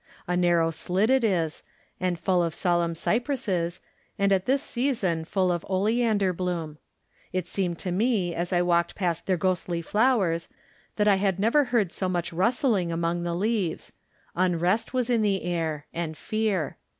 A narrow slit it is, and full of solenm cypresses, and at this season full of oleander Moom. It seemed to me as I walked past their ghostly flowers that I had never heard so much rustling among the leaves; unrest was in the air, and fear.